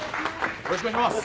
よろしくお願いします。